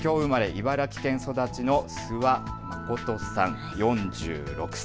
茨城県育ちの諏訪理さん、４６歳。